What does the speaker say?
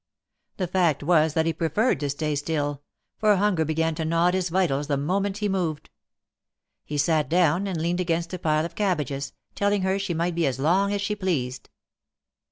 The fact was that he preferred to stay still — for hunger began to gnaw at his vitals the moment he moved. He sat down and leaned against a pile of cabbages, telling her she might be as long as she pleased.